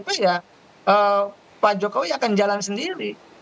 tapi ya pak jokowi akan jalan sendiri